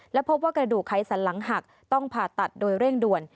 และพบว่ากระดูกไขสันหลังหักต้องผ่าตัดโดยเร่งด่วน